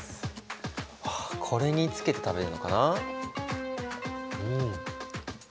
あこれにつけて食べるのかな。